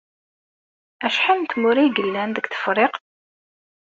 Acḥal n tmura ay yellan deg Tefriqt?